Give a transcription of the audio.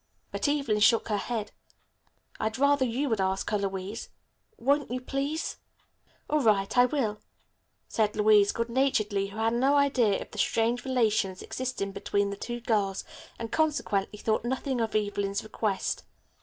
But Evelyn shook her head. "I'd rather you would ask her, Louise. Won't you, please?" "All right, I will," said Louise good naturedly, who had no idea of the strained relations existing between the two girls, and consequently thought nothing of Evelyn's request.